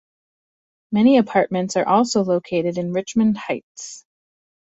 Many apartments are also located in Richmond Heights.